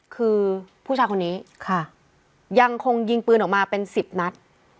คือผู้ชายคนนี้ค่ะยังคงยิงปืนออกมาเป็น๑๐นัด